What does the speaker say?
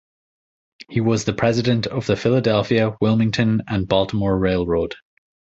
He was the President of the Philadelphia, Wilmington and Baltimore Railroad.